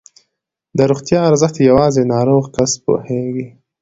د روغتیا ارزښت یوازې ناروغ کس پوهېږي.